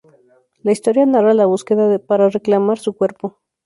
La historia narra la búsqueda de para reclamar su cuerpo.